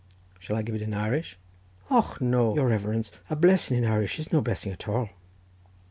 "Shall I give it in Irish?" "Och, no, your reverence—a blessing in Irish is no blessing at all."